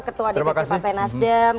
ketua dpp partai nasdem